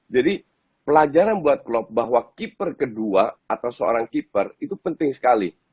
jadi pelajaran buat klub bahwa keeper kedua atau seorang keeper itu penting sekali